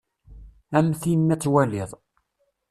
A mm timmi ad twaliḍ.